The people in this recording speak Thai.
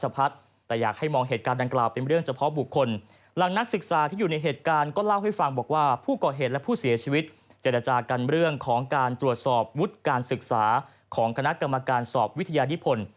เพื่อฟังบอกว่าผู้ก่อเหตุและผู้เสียชีวิตจะรัจากันเรื่องของการตรวจสอบวุฒิการศึกษาของคณะกรรมการสอบวิทยาลิพล